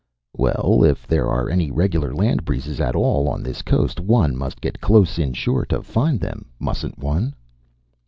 "Well if there are any regular land breezes at all on this coast one must get close inshore to find them, mustn't one?"